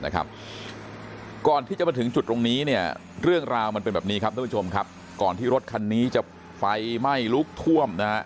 ก่อนที่จะมาถึงจุดตรงนี้เนี่ยเรื่องราวมันเป็นแบบนี้ครับท่านผู้ชมครับก่อนที่รถคันนี้จะไฟไหม้ลุกท่วมนะฮะ